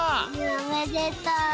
おめでとう！